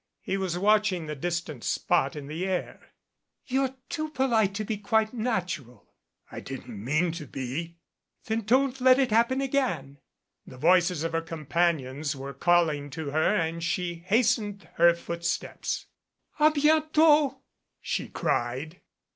He was watching the distant spot in the air. "You're too polite to be quite natural." "I didn't mean to be." "Then don't let it happen again." The voices of her companions were calling to her and she hastened her footsteps. "A bientot," she cried.